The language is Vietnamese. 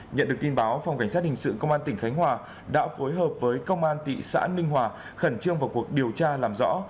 nhận được tin báo phòng cảnh sát hình sự công an tỉnh khánh hòa đã phối hợp với công an thị xã ninh hòa khẩn trương vào cuộc điều tra làm rõ